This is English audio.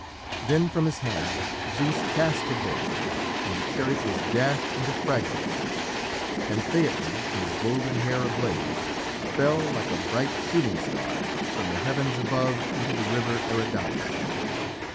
Then, from his hand, Zeus cast the bolt, and the chariot was dashed into fragments, and Phaeton, his golden hair ablaze, fell, like a bright shooting star, from the heavens above, into the river Eridanus.